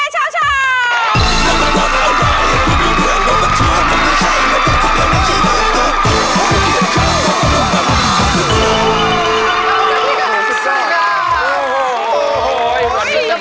สวัสดีครับสวัสดีครับ